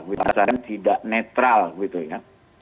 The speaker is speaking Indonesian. biasanya tidak netral gitu ya